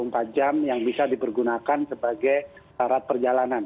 satu x dua puluh empat jam yang bisa dipergunakan sebagai syarat perjalanan